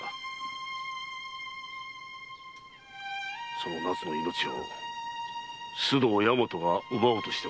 その奈津の命を須藤大和が奪おうとしておる。